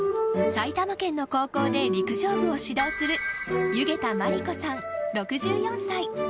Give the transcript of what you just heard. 埼玉県の高校で陸上部を指導する弓削田眞理子さん、６４歳。